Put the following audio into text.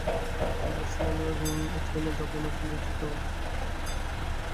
তিনি বার্সেলোনার Academia de Bones Lletres দ্য বার্সেলোনার সংবাদদাতা ছিলেন।